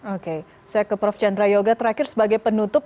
oke saya ke prof chandra yoga terakhir sebagai penutup